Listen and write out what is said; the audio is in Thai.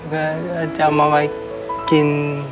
ก็จะเอามาไว้กิน